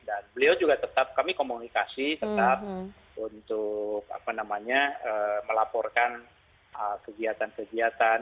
dan beliau juga tetap kami komunikasi tetap untuk melaporkan kegiatan kegiatan